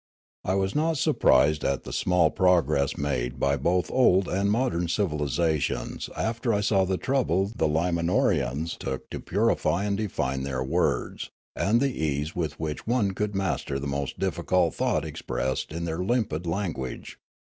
I was not surprised at the small progress made by both old and modern civnlisations after I saw the trouble the Limanorans took to purify and define their words, and the ease with which one could master the most difficult thought expressed in their limpid language.